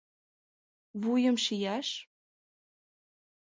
— Вуйым шияш?